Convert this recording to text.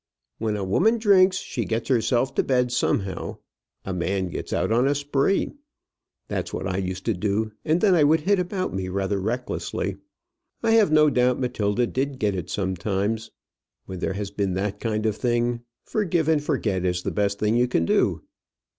When a woman drinks she gets herself to bed somehow. A man gets out upon a spree. That's what I used to do, and then I would hit about me rather recklessly. I have no doubt Matilda did get it sometimes. When there has been that kind of thing, forgive and forget is the best thing you can do."